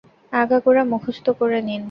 আগাগোড়া মুখস্ত করে নিন।